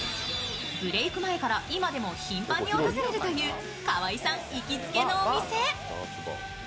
今でも頻繁に訪れるという河合さん行きつけのお店。